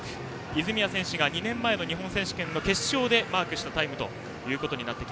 泉谷選手が２年前の日本選手権の決勝でマークした記録です。